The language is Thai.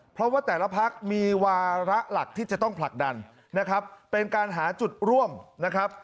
เพราะว่าแต่ละพักมีวาระหลักที่จะต้องผลักดันนะครับเป็นการหาจุดร่วมนะครับ